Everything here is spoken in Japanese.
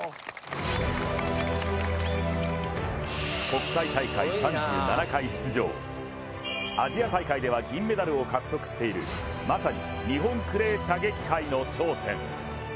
国際大会３７回出場、アジア大会では銀メダルを獲得しているまさに日本クレー射撃界の頂点。